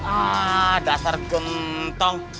ah dasar gentong